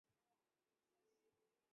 互信息是的期望值。